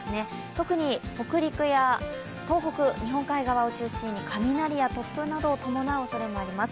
特に北陸や東北、日本海側を中心に雷や突風なども伴うおそれもあります。